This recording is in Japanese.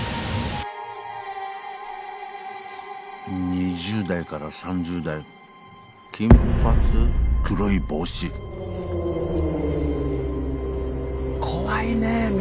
２０代から３０代金髪黒い帽子怖いねみ